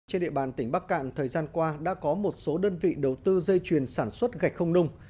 trên địa bàn tỉnh bắc cạn thời gian qua đã có một số đơn vị đầu tư dây chuyền sản xuất gạch không nung